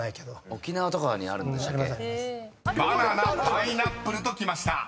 ［「バナナ」「パイナップル」ときました］